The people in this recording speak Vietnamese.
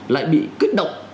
lại bị kết động